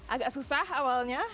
agak susah awalnya